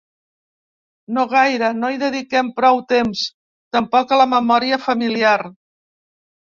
No gaire, no hi dediquem prou temps, tampoc a la memòria familiar.